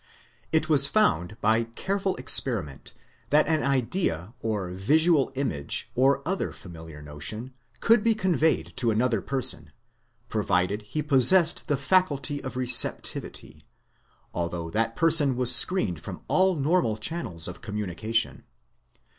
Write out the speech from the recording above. It was found by careful experiment that an idea or visual image, or other familiar notion, could be conveyed to another person, provided he possessed the faculty of receptivity, although that person was screened from all normal channels of communication.